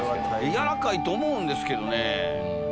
軟らかいと思うんですけどね。